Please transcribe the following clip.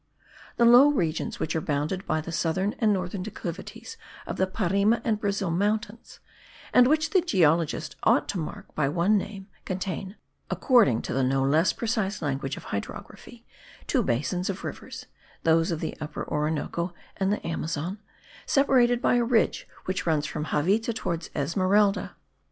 The low regions, which are bounded by the southern and northern declivities of the Parime and Brazil mountains, and which the geologist ought to mark by one name, contain, according to the no less precise language of hydrography, two basins of rivers, those of the Upper Orinoco and the Amazon, separated by a ridge that runs from Javita towards Esmeralda.